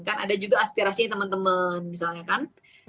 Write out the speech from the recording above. kan ada juga aspirasi teman teman misalnya kan